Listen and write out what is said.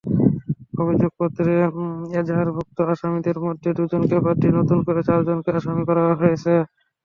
অভিযোগপত্রে এজাহারভুক্ত আসামিদের মধ্যে দুজনকে বাদ দিয়ে নতুন করে চারজনকে আসামি করা হয়েছে।